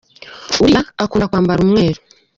Uriya akunda kwambara umweru.